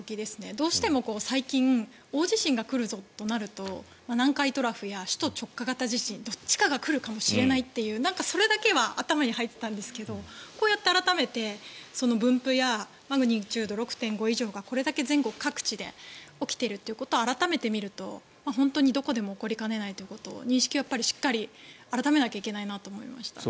どうしても最近、大地震が来るぞとなると南海トラフや首都直下型地震どっちかが来るかもしれないのは頭に入っていたんですがこうやって改めて分布やマグニチュード６．５以上がこれだけ全国各地で起きているということを改めて見ると本当にどこでも起こりかねないと認識を改めないといけないと思いました。